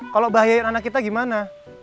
kalau bahayain anak kita gimana